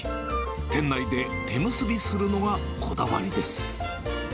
店内で手むすびするのがこだわりです。